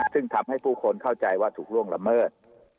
ซึ่งทำให้ผู้คนเข้าใจว่าถูกล่วงละเมิด